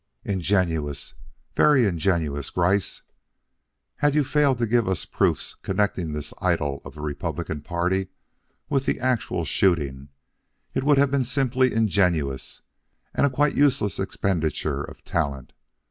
"Ingenious, very ingenious, Gryce. Had you failed to give us proofs connecting this idol of the Republican party with the actual shooting, it would have been simply ingenious and a quite useless expenditure of talent.